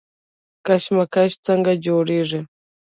کشمش څنګه جوړیږي؟